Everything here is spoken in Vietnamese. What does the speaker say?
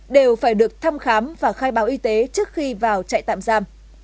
đều phải được thăm khám và khai báo y tế trước khi vào trại tạm giam